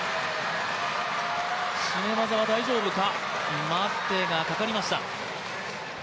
絞め技は大丈夫か、待ってがかかりました。